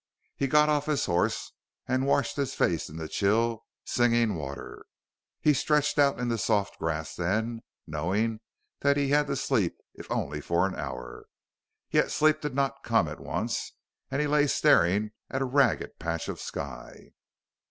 He got off his horse and washed his face in the chill, singing water. He stretched out in the soft grass then, knowing that he had to sleep if only for an hour. Yet sleep did not come at once, and he lay staring at a ragged patch of sky.